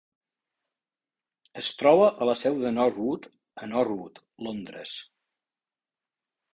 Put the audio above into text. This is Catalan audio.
Es troba a la seu de Northwood a Northwood, Londres.